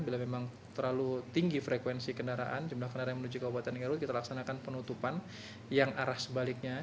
bila memang terlalu tinggi frekuensi kendaraan jumlah kendaraan yang menuju kabupaten garut kita laksanakan penutupan yang arah sebaliknya